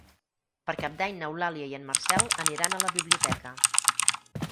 Per Cap d'Any n'Eulàlia i en Marcel aniran a la biblioteca.